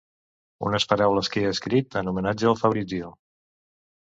Unes paraules que he escrit en homenatge al Fabrizio.